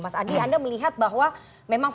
mas adi anda melihat bahwa memang